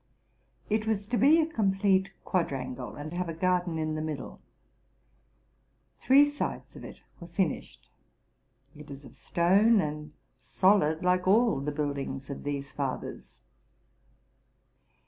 It w to be a complete quadrangle, and have a garden in the ita dle: three sides of it were finished. It is of stone, and solid, like all the buildings of these fathers.